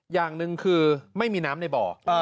อย่างหนึ่งคือไม่มีน้ำในบ่อ